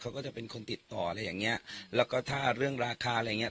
เขาก็จะเป็นคนติดต่ออะไรอย่างเงี้ยแล้วก็ถ้าเรื่องราคาอะไรอย่างเงี้